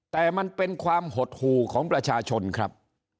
แต่มันเป็นความหดหู่ของประชาชนครับ